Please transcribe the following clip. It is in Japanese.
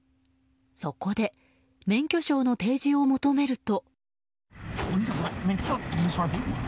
そこで免許証の提示を求めると。